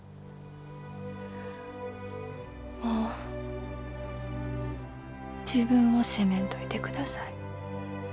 もう自分を責めんといてください。